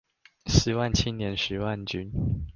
十萬青年十萬軍